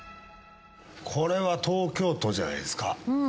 これは東京都じゃないですか？